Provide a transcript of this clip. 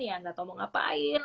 ya nggak tahu mau ngapain